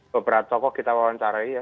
beberapa tokoh kita wawancarai ya